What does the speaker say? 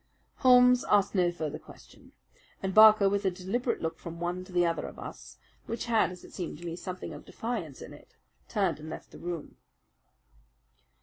Holmes asked no further question, and Barker, with a deliberate look from one to the other of us, which had, as it seemed to me, something of defiance in it, turned and left the room.